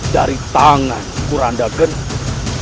dari tanganku rana geni